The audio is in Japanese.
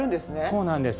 そうなんです。